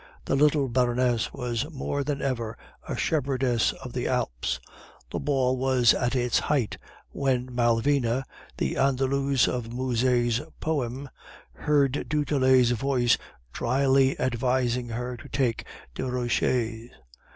The little Baroness was more than ever a Shepherdess of the Alps. The ball was at its height when Malvina, the Andalouse of Musset's poem, heard du Tillet's voice drily advising her to take Desroches.